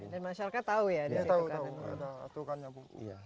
dan masyarakat tahu ya